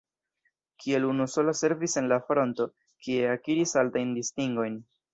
Kiel unusola servis en la fronto, kie akiris altajn distingojn.